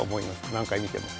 何回見ても。